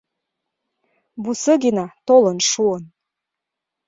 — Бусыгина толын шуын.